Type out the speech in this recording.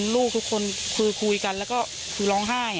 ลูกทุกคนคุยกันแล้วก็คือร้องไห้